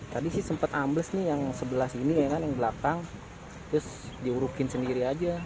tadi sih sempat ambles nih yang sebelah sini ya kan yang belakang terus diurukin sendiri aja